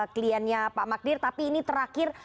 kliennya pak magdir tapi ini terakhir